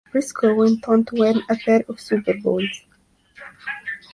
Briscoe went on to win a pair of Super Bowls.